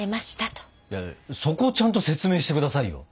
いやそこをちゃんと説明して下さいよ。